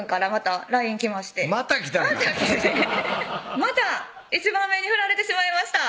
「また１番目に振られてしまいました」